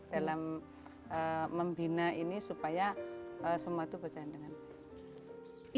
dalam membina ini supaya semua itu berjalan dengan baik